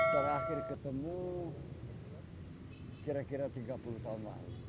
terakhir ketemu kira kira tiga puluh tahun lalu